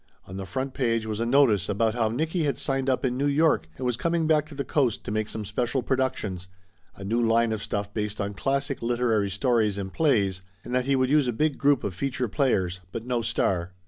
On the front page was a notice about how Nicky had signed up in New York and was coming back to the Coast to make some special productions a new line of stuff based on classic literary stories and plays, and that he would use a big group of feature players, but no star.